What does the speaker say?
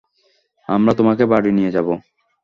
আমরা তোমাকে বাড়ি নিয়ে যাবো।